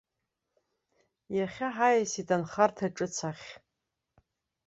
Иахьа ҳаиасит анхарҭа ҿыц ахь.